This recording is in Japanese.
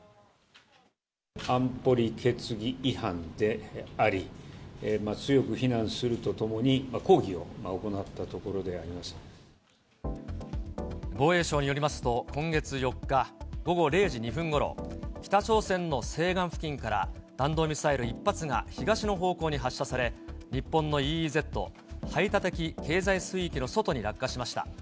安保理決議違反であり、強く非難するとともに、防衛省によりますと、今月４日午後０時２分ごろ、北朝鮮の西岸付近から、弾道ミサイル１発が東の方向に発射され、日本のＥＥＺ・排他的経済水域の外に落下しました。